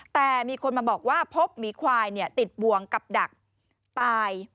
แต่มีคนมาบอกว่าพบหมีควายติดบวงกับดักตาย